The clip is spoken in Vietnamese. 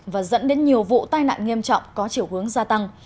và dẫn đến nhiều vụ tai nạn nghiêm trọng có chiều hướng gia tăng